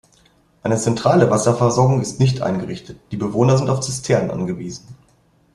Eine zentrale Wasserversorgung ist nicht eingerichtet, die Bewohner sind auf Zisternen angewiesen.